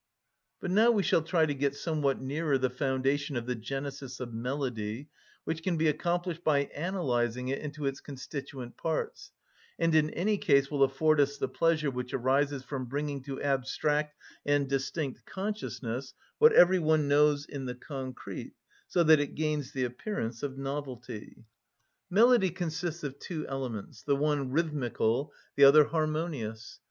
But now we shall try to get somewhat nearer the foundation of the genesis of melody, which can be accomplished by analysing it into its constituent parts, and in any case will afford us the pleasure which arises from bringing to abstract and distinct consciousness what every one knows in the concrete, so that it gains the appearance of novelty. Melody consists of two elements, the one rhythmical, the other harmonious.